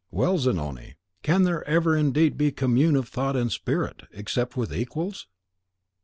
Well, Zanoni, can there ever indeed be commune of thought and spirit, except with equals?